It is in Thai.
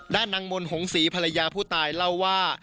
ด้านนางมนฮงศรีภรรยาผู้ตายเล่าว่า